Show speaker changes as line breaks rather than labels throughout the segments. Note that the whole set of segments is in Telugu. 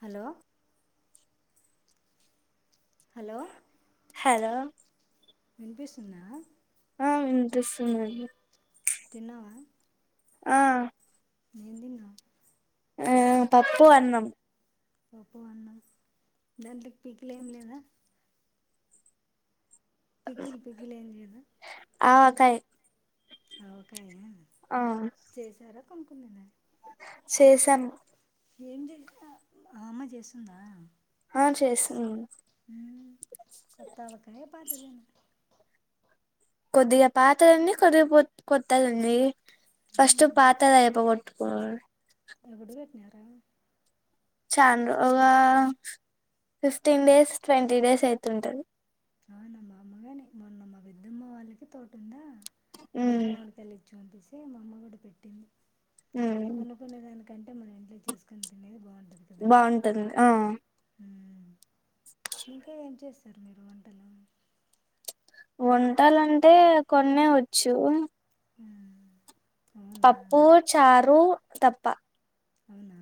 హలో హలో
హలో
వినిపిస్తుందా
ఆ ఇపిస్తుందండి
తిన్నావా
ఆ
ఏం తిన్నావ్
ఆ పప్పు అన్నం
పప్పు అన్నం దాంట్లకి పికిల్ ఏం లేదా పికిల్ పికల్ ఏం లేదా
కై
ఆవకాయ
ఆ
కొనుక్కున్నదా
సేసాను
ఏందే ఆ ఆమ జేస్తుందా
ఆ చేసింద్
మ్మ్ కొత్తావకాయ పాతదేనా
కొద్దిగ పాతదుంది కొద్దిగ కొత్ కొత్తదుంది ఫస్టు పాతదైపో గొట్
ఎబుడు పెట్నారా
చాన్ రో ఒగ ఫిఫ్టీన్ డేస్ ట్వంటీ డేస్ ఐతుంటది
అవునా మాముల్గానే మొన్న మా బెద్దమ్మ వాళ్ళకి తోటుందా.
ఉమ్
పచ్చి మామిడికాయలిచ్చి పంపిస్ తే మా అమ్మగుడ పెట్టింద్
ఉమ్
కొన్ని కొన్ని గని కంటే మన ఇంట్లో చేస్కొని తినేది బాన్
బాంటుంది ఆ
మ్మ్ ఇంకా ఏం చేస్తారు మీరు వంటలు
వంటలంటే కొన్నే వచ్చు
మ్మ్ అవునా
పప్పు చారు తప్ప
అవునా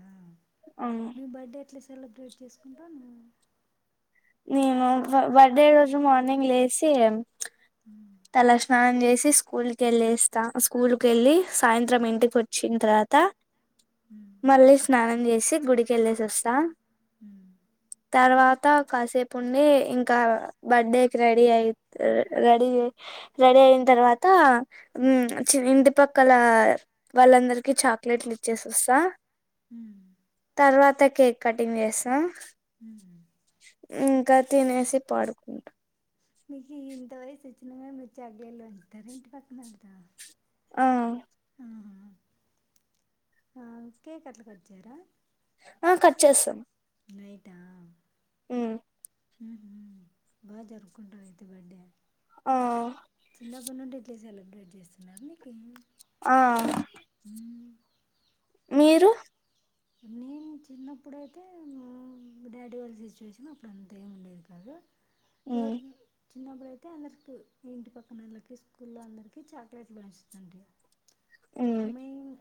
ఆ
మీ బడ్డే ఎట్ల స్ సెలబ్రేట్ చేసుకుంటాను
నేను బ బడ్డే కోసం మానింగ్ లేసి
మ్మ్.
తల స్నానం జేసి స్కూల్కెళ్ళేస్తా స్కూల్ కెళ్ళి సాయంత్రం ఇంటికి వొచ్చిన్ తర్వాత
మ్మ్.
మళ్ళీ స్నానం జే సి గుడికెల్లేసొస్తా
మ్
తర్వాత కాసేపుండి ఇంకా బడ్డే కి రెడీ అయిత్ రె రెడీ జే రెడీ అయిన తర్వాత మ్మ్ చూడ్ ఇంటిపక్కల వాళ్ళందరికి చాక్లెట్లిచ్చేసొస్తా.
మ్మ్
తర్వాత కేక్ కటింగ్ చేస్తా
హ్మ్మ్
క తినేసి పాడుకుంటా
మీకి ఇంత వయసొచ్చిన గాని మీర్ చాక్లెట్లు పంచుతారా ఇంటి పక్కనోళ్త
ఆ
ఆహా ఆ కేకట్ల కట్ జెయ్రా
ఆ కట్ చేశాం
నైటా
మ్మ్
మ్మ్ హు బా జరుపుకుంటావైతే బడ్డే
ఆ
చిన్నప్పుడ్ నుండి ఇట్లే సెలబ్రేట్ చేస్తున్నా మీకి
ఆ మీరు
నేను చిన్నప్పుడైతే మా డాడీ వాళ్ళ సిచ్యువేషన్ అప్పుడు అంతా ఏమి ఉండేది కాదు [inaudible]
ఉమ్,
జరిగి చిన్నప్పుడుతే అందరికి ఇంటి పక్కన వాళ్ళకి స్కూల్లో అందరికీ చాక్లెట్లు పెడుంచతుండడి.
ఉమ్,
మ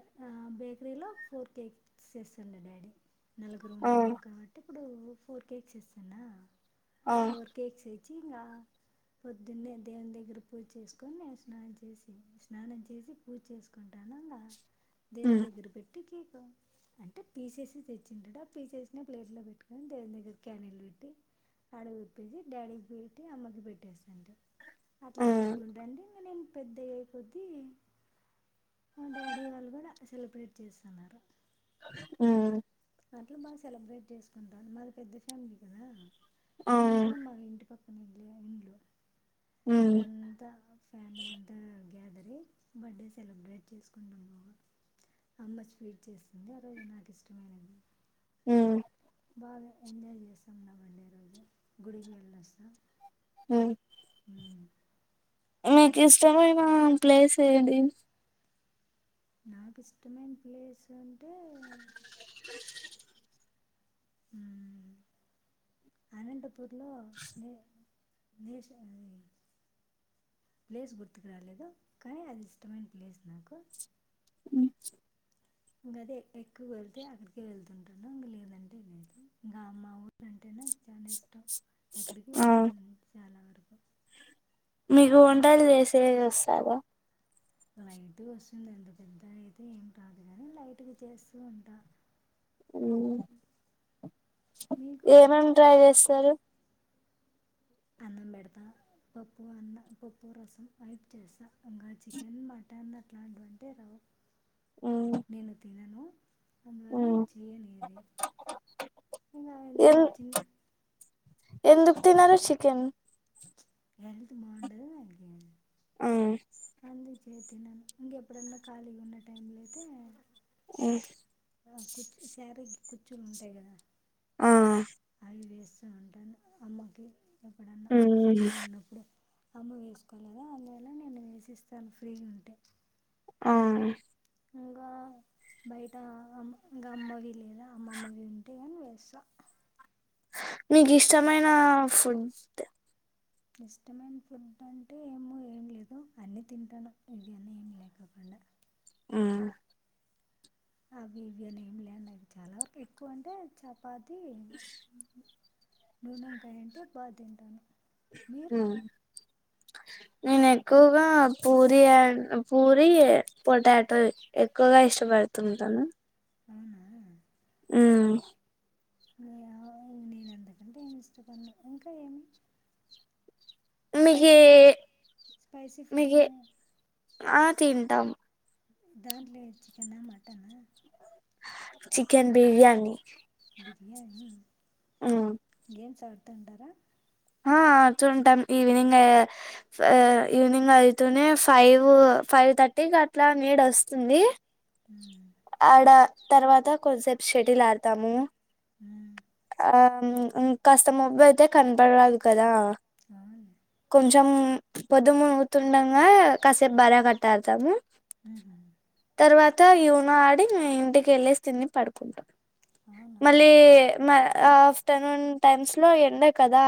[inaudible] బేకరీలో ఫోర్ కేక్ సస్ల్ల డాడీ నలుగురు
ఆ
ఉన్నాం కాబట్టి [inaudible] ఇప్పుడు ఫోర్ కేక్స్ చేస్తానా
ఆ
కేక్ స ముంచియంగా పొద్దున్నే దేవుని దగ్గర పూజ చేసుకొని. స్నానం చేసి స్నానం చేసి పూజ చేసుకుంటా. ఇంగ
ఉమ్
దేవున్ దగ్గర పెట్టి [inaudible] అంటే పీసేసి తెచ్చింటాడు. ఆ పీసేసిన ప్లేట్లో పెట్టుకొని దేని దగ్గర క్యానీలు పెట్టి ఆడవి విప్పేసి డాడీకి పెట్టి అమ్మకి పెట్టేస్తాంటి. అట్లా
ఉమ్
జరుపుకుంటా అండి ఇ నేను పెద్ద అయిపోది. మా డాడీ వాళ్ళు కూడా సెలబ్రేట్ చేస్తున్నారు.
ఆ
అట్లా బాగా సెలబ్రేట్ చేసుకుంటారుారు. మాది పెద్ద ఫ్యామిలీ కదా.
ఆ
అందరం మా ఇంటి పక్క
ఉమ్
గంత ఫ్యాన్లంట గ్యాదరింగ్ బర్డే సెలబ్రేట్ చేసుకుంటాం. బాగా అమ్మ స్వీట్ చేస్తుంది ఆ రోజు నాకు ఇష్టమైనది.
ఉమ్
బాగా ఎంజాయ్ చేస్తాం నా బర్డే రోజు గుడికి వెలొస్తాం.
ఉమ్ మీకు ఇష్టమైన ప్లేస్ ఏది
నాకు ఇష్టమైన ప్లేస్ అంటే
[inaudible]
అనంతపూర్లో నే నేషది ప్లేస్ గుర్తుకు రాలేదు. కానీ అది ఇష్టమైన ప్లేస్ నాకు
ఉమ్
ఇంకా అది ఎక్కువ వెళ్తే అక్కడికే వెళ్తుంటాను. ఇంక లేదంటే లేదు ఇంకా మా ఊరు అంటే నాకు చాలా ఇష్టం. ఎక్కడికి
ఆ
వెళ్ళనండి చాలా ఒ
మీకు వంటలు చేసే వ రావ
లైట్ గా వస్తుంది. ఎంత పెద్ద అయితే ఏం రాదు కాని లైట్ గా చేస్తూ ఉంటా. మీకు
ఏమేమి ట్రై చేస్తారు
అన్నం పెడతా, పప్పు అన్నం పప్పు రసం వైపు చేస్తా, ఇంకా చికెన్ మటన్ అట్లాంటివంటే రావు. నేను తినను అందువల్ల చేయన్ ఏది ఇంకా ఎలా ఉన్న చిన్న
ఏందుకు తినరు చికెన్
హెల్త్ బాగుండదు అంద్కని
ఆ
అందుచేత్ తినను ఇంక ఎప్పుడన్నా ఖాళీగా ఉన్న టైంలో అయితే
ఉమ్
ఆ కుచ్చు శారీకి కుచ్చులు ఉంటాయి కదా
అ
నేన్ వేస్తూ ఉంటాను అమ్మకి ఎప్పుడన్నా
ఉమ్
ఫ్రీగా ఉన్నప్పుడు అమ్మ వేసుకోలేదా అందువల్ల నేను వేసిస్తాను ఫ్రీగా ఉంటే
ఆ
ఇంకా బయట అమ్మ ఇంకా అమ్మవి లేదా అమ్మమ్మవి ఉంటే గానీ వేస్తా
నీకు ఇష్టమైనా ఫుడ్
ఇష్టమైన ఫుడ్ అంటే ఏమో ఏం లేదు అన్నీ తింటాను ఇది అన్నీ ఏమిలేకోకుండ
ఆ
అవి ఇవి అని ఏమి లేన్డై అవి చాలా వరకు ఎక్కువ అంటే చపాతీ నూనొంకాయ అంటే బా తింటాను మీరు
హ్మ్ నేను ఎక్కువగా పూరి అండ్ పూరి పొటాటో ఎక్కువగా ఇష్టపడుతూ ఉంటాను
అవునా
హ్మ్
ఏవో నేన్ ఇంతకంటే ఏమి ఇష్టపడను ఇంకా ఏమి
మీకు
స్పైసి ఫు
ఏ
స్పైసి ఫుడ్
మీకే
లే
ఆ తింటాము
దాంట్లో ఏంటి చికెనా మటనా
చికెన్ బిర్యానీ
బిర్యానీ
ఆ
ఏం చద్వుతూ ఉంటారా
ఆ ఆడుతున్టాం ఈవినింగ్ ఆ ఈవినింగ్ అయితూనే ఫైవ్ ఫైవ్ థర్టీకి అట్లా నీడ వస్తుంది
మ్మ్.
ఆడ తర్వాత కొదిసేపు షేటిల్ ఆడతాము
మ్మ్.
ఆ ము ఇంకాస్త మబ్బు అయితే కనపడరాదు కదా
ఆడ్లే
కొంచెం పొద్దుమూగుతుండంగా కాసేపు భార్య భర్త ఆడతాము
మ్మ్ హు
తా ఈవినో ఆడి ఇంటికెళ్ళేసి తిని పడుకుంటాం
అవునా
మళ్ళీ ఆ ఆఫ్టర్నూన్ టైమ్స్ లో ఎండే కదా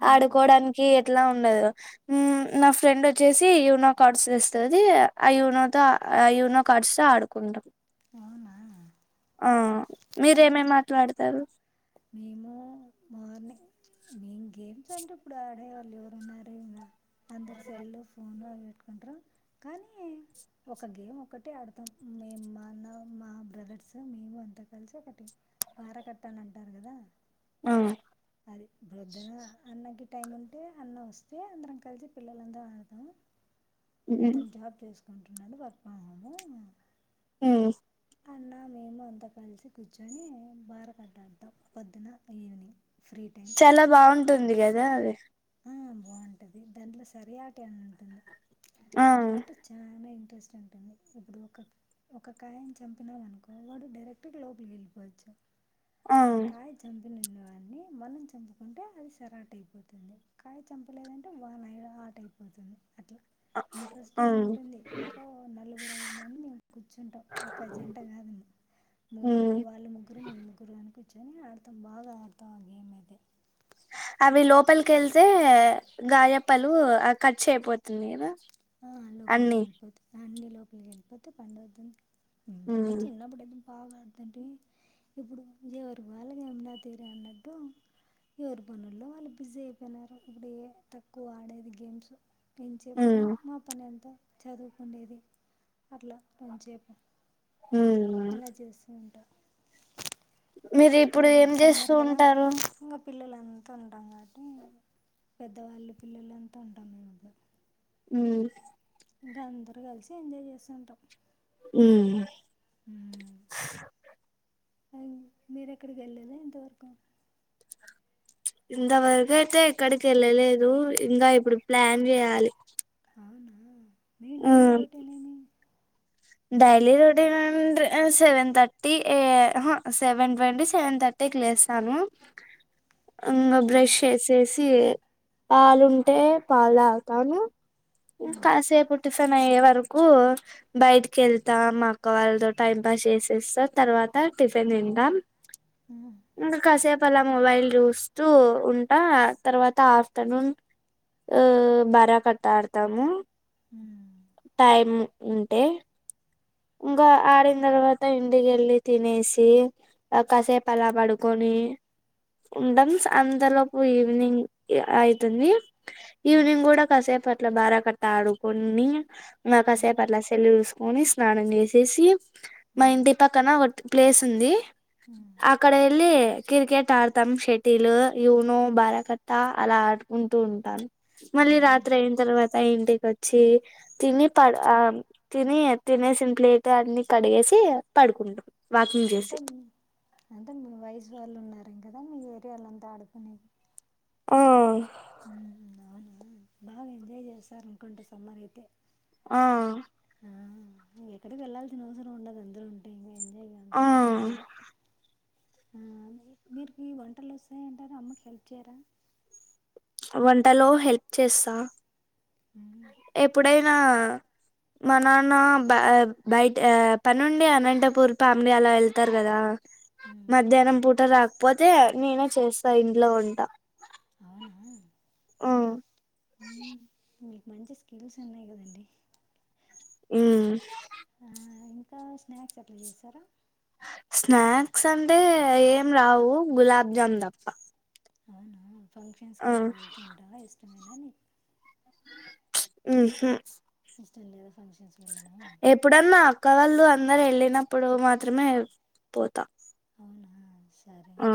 మ్మ్.
ఆడుకోవడానికి ఎట్లా ఉండదు నా ఫ్రెండ్ వచ్చేసీ యునో కార్డ్స్ ఇస్తదీ ఆ యూనో తో ఆ యూనో కార్డ్స్ తో ఆడుకుంటాం
అవునా
ఆ మీరేమేమి ఆట్లాడతారు
మేము మార్నింగ్ మేము గేమ్స్ అంటే ఇప్పుడు ఆడేవాళ్ళు ఎవరు ఉన్నారు ఇంకా అందరు సెల్ ఫోన్ అవి పెట్టుకుంటారు కానీ ఒక గేమ్ ఒకటిపి ఆడతాం మేము మాన్న మా బ్రదర్స్ మేము అంతా కలిసి ఒకటి బార కట్టాలంటే
ఆ
అది బ్రోద్దున అన్నకి టైం ఉంటే అన్న వస్తే అందరం కలిసి పిల్లలందరూ ఆడతాం అతను
ఉమ్
జాబ్ చేస్ [unintelligible]
ఎస్
అన్న మేము అంతా కలిసి కూర్చొని బార కట్టాడుతాం పొద్దున ఈవినింగ్ ఫ్రీ టైం
చాలా బాగుంటుంది గదా దాదే
ఆ బాగుంటది దాంట్లో సరి ఆట ఏమి ఉంటుంది
ఆ
అయాట చాన ఇంట్రెస్ట్ ఉంటుంది ఇప్పుడు ఒక ఒక కాయని చంపినామనుకో వాడు డైరెక్ట్గా లోపలి వెళ్ళిపోవచ్చు ఆ కాయ చంపిన వాడిని మనం చంపుకుంటే అది సరాట్ అయిపోతుంది కాయ చంపలేదంటే వానై ఆట అయిపోతుంది అట్లా
ఆ
ఇంట్రెస్టింగ్ ఉంటుంది ఇంకా నలుగురు ఐదు మంది మేము కూర్చుంటాం ఒక జంట కాదండి
ఉమ్
ముగ్గురు వాళ్ళ ముగ్గురు మేం ముగ్గురు అని కూర్చ కూర్చొని ఆడతాం బాగా ఆడతాం ఆ గేమ్ అయితే
అవి లోపలికి వెళ్తే గాయప్పలు కట్ చేయపోతుంది కద
ఆ లోపలికి వెళ్ళిపోతుంది అన్ని లోపలికి వెళ్లిపోతే పండవుతుంది బ ఇంగ
ఉమ్
చిన్నప్పుడైతే బా బాగా ఆడుతుంటే ఇప్పుడు ఎవరు వాళ్ళకి యమున తీరె అన్నట్టు ఎవరి పనుల్లో వాళ్ళు బిజీ అయిపోయినారు ఇప్పుడు ఏ తక్కువ ఆడేది గేమ్స్
ఉమ్
ఎంచేపున్న పని ఎంతో చదువుకుండేది అట్లా కొంచేపు
ఉమ్
అల చేస్తూ ఉంటా
మీరు ఇప్పుడు ఏం చేస్తూ
సమ్మర్ కదా
ఉంటారు
ఇంక పిల్లలంతా ఉంటాం కాబట్టి పెద్దవాళ్లు పిల్లలంతా ఉంటాము ఇంట్లొ
ఉ
ఇంక అందరు కలిసి ఎంజాయ్ చేస్తు ఉంటాం
ఊ
ఉ మీరు ఎక్కడికి వెళ్ళేదా ఇంతవరకు
ఇంతవరకు అయితే ఎక్కడికి వెళ్ళలేదు ఇంగ ఇప్పుడు ప్లాన్ చేయాలి
అవునా మీ డైలీ
ఉమ్
రొటీన్ ఏమి
డైలీ రొటీన్ అంట సెవెన్ థర్టీ ఏ ఉహు సెవెన్ ట్వంటీ సెవెన్ థర్టీకి లేస్తాను ఇంగ బ్రష్
మ్మ్.
చేసేసి పాలుంటే పాలు తాగుతాను
మ్మ్.
కాసేపు టిఫెన్ అయ్యేవర్ రుకూ బయట్ కెళ్తాం మా అక్క వాళ్ళతో టైం పాస్ చేసేస్తా తర్వాత టిఫిన్ తింటాం
మ్మ్.
ఇంగ కాసేప్ అలా మొబైల్ చూస్తూ ఉంటా తర్వాత ఆఫ్టర్నూన్ బారకట్ట ఆడతాము
ఉహ్
టైం ఉంటె ఇంకా ఆడిన తర్వాత ఇంటికి వెళ్ళి తినేసి కాసేపు అలా పడుకొని ఉంటాం అంతలోపు ఈవినింగ్ అయ్తుంది
మ్మ్.
ఈవ్నింగ్ కూడా కాసేపట్ ఇట్లా బారా కట్టా ఆడుకోనీ మ
మ్మ్.
కాసేపు అట్ల సెల్లు చూస్ పోనిస్ స్నానం చేసేసి మాఇంటి
మ్మ్.
పక్కన ఒద్ ప్లేసుంది
మ్మ్.
అక్కడఎల్లి కిర్కెట్ ఆడతాం షటిల్ యూనో బారకత్తా అలా ఆడుకుంటూ ఉంటాం మళ్ళీ
అవును
రాత్రి అయిన తర్వాత ఇంటిక్ వచ్చి తిని పడు తిని తినేసిన ప్లేట్ అన్ని కడిగేసి పడుకుంటం
అంతం అంత మీ వయసు వాళ్ళు ఉన్నారు ఇక్కడ మీ ఏరియాలో ఉంటా అడుకునే
ఆ
ఆమ్ అవునా బాగా ఎంజాయ్ చేశారు అనుకుంట సమ్మర్ అయితే
ఆ
ఆ ఎక్కడికి వెళ్ళాల్సిన అవసరం ఉండదు అందరు ఉంటేనే
ఆ
మీరుకి వంటలు వస్తాయి అంటాగా అమ్మకి హెల్ప్ చేయరా
వంటలో హెల్ప్ చేస్తా
మ్మ్.
ఎప్పుడైనా మా నాన్న బ బయట పనుండి అనంతపూర్ ఫ్యామిలీ అలా వెళ్తారు కదా
హ్మ్.
మధ్యాహ్నం పూట రా పోతే నేనే చేస్తా ఇంట్లో వంట
అవునా మీకు మంచి స్కిల్స్ ఉన్నాయి కదండి
ఉమ్
ఆ ఇంకా స్నాక్స్ ఎట్లా చేస్తారా
స్నాక్స్ అంటే ఏం రావు గులాబ్ జామున్ తప్ప
అవునా ఫంక్షన్స్
ఆ
కట్లా వెళ్తుంటావా ఇష్టమేనా నీకు?
ఉ హు
ఇష్టం లేదా ఫంక్షన్స్ వెళ్ళ
ఎప్పుడన్నా అక్క వాళ్ళు అందరు వెళ్ళినప్పుడు మాత్రమే పోతా
అవునా? సరే.
ఆ